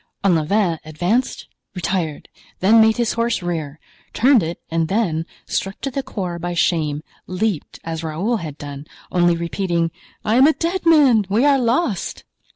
Olivain advanced, retired, then made his horse rear—turned it and then, struck to the core by shame, leaped, as Raoul had done, only repeating: "I am a dead man! we are lost!"